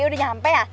udah nyampe ya